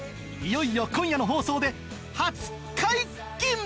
いよいよ今夜の放送で初解禁！